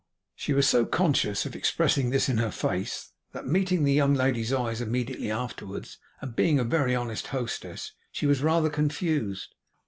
She was so conscious of expressing this in her face, that meeting the young lady's eyes immediately afterwards, and being a very honest hostess, she was rather confused.